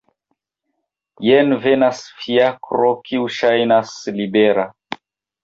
Jen venas fiakro kiu ŝajnas libera.